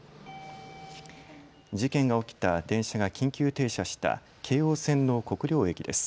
事件が起きた電車が緊急停車した京王線の国領駅です。